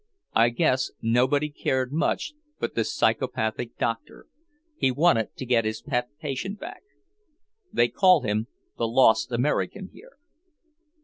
I guess nobody cared much but this psychopathic doctor; he wanted to get his pet patient back. They call him 'the lost American' here."